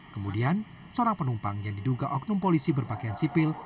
kemudian seorang penumpang yang diduga oknum polisi berpakaian sipil